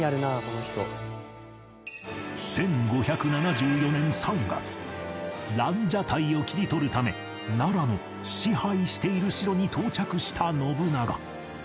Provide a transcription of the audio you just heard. １５７４年３月蘭奢待を切り取るため奈良の支配している城に到着した信長